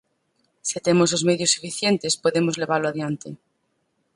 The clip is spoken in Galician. Se temos os medios suficientes podemos levalo adiante.